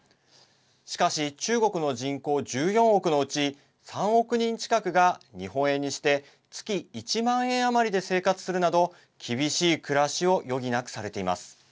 しかし、中国の人口１４億のうち３億人近くが日本円にして月１万円余りで生活するなど厳しい暮らしを余儀なくされています。